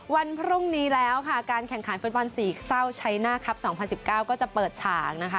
วันพรุ่งนี้แล้วค่ะการแข่งขันฟื้นปอนด์สี่เศร้าชัยหน้าครับสองพันสิบเก้าก็จะเปิดฉ่างนะคะ